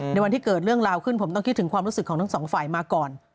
ในวันที่เกิดเรื่องราวขึ้นผมต้องคิดถึงความรู้สึกของทั้งสองฝ่ายมาก่อน